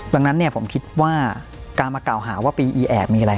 ดังนั้นผมคิดว่าการมากล่าวหาว่าปีอีแอบมีอะไร